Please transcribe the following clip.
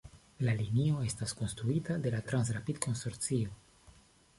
La linio estas konstruita de la Transrapid-konsorcio.